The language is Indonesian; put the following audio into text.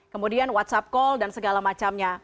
kemudian whatsapp call dan segala macamnya